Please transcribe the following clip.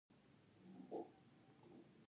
پر خپلو وړتیاو باور ولرئ.